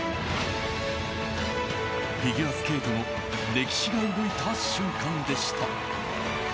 フィギュアスケートの歴史が動いた瞬間でした。